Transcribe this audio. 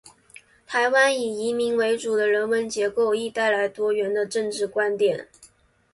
台湾以移民为主的人文结构，亦带来多元的政治观点。